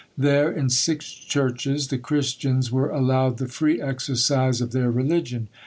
There, in six churches, the Christians were allowed the free exercise of their religion.